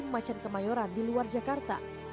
macan kemayoran di luar jakarta